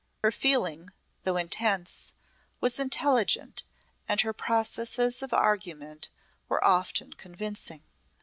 Her feeling, though intense, was intelligent and her processes of argument were often convincing.